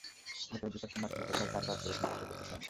ভেতরে ঢোকার সময় আপনি কোথায় গাড়ি পার্ক করেছেন সেটা দেখেছি আমি।